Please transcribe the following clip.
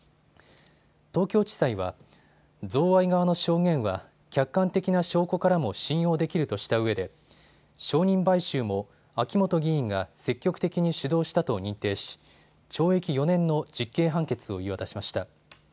東京地裁は贈賄側の証言は客観的な証拠からも信用できるとしたうえで証人買収も秋元議員が積極的に主導したと認定し、懲役４年の実刑判決を言い渡しました。